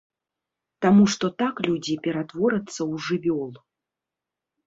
Таму што так людзі ператворацца ў жывёл.